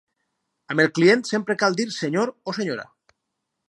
Amb el client sempre cal dir "senyor" o "senyora".